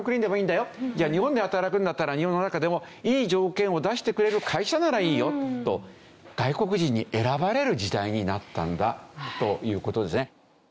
じゃあ日本で働くんだったら日本の中でもいい条件を出してくれる会社ならいいよと外国人に選ばれる時代になったんだという事ですね。